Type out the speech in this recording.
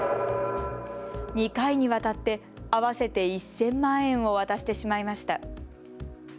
２回にわたって合わせて１０００万円を渡してしまいました。